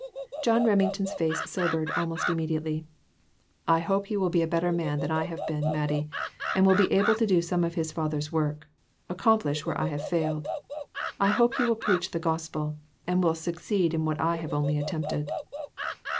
John Reming ton's face sobered almost immediately. "I hope he will be a better man than I have been, Mattie, and be able to do some of his father's work; accomplish where I have failed. I hope he will preach the gospel, and succeed in what I have only attempted."